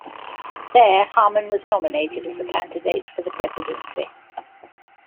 There, Harmon was nominated as a candidate for the presidency.